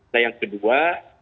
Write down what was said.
dan yang kedua